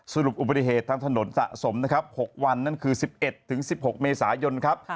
สรุปอุบัติเหตุทางถนนสะสมนะครับ๖วันนั่นคือ๑๑๑๖เมษายนครับ